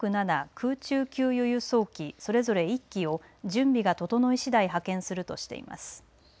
空中給油・輸送機それぞれ１機を準備が整い次第派遣するとしています。